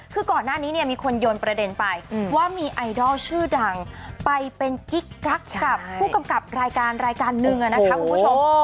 คือก่อนหน้านี้เนี่ยมีคนโยนประเด็นไปว่ามีไอดอลชื่อดังไปเป็นกิ๊กกักกับผู้กำกับรายการรายการหนึ่งนะคะคุณผู้ชม